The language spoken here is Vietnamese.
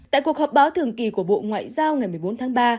tại cuộc họp báo thường kỳ của bộ ngoại giao ngày một mươi bốn tháng ba